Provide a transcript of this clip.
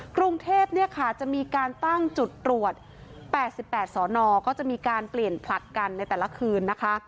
กรุงเทพเนี่ยค่ะจะมีการตั้งจุดตรวจ๘๘สอนอก็จะมีการเปลี่ยนผลัดกันในแต่ละคืนนะคะ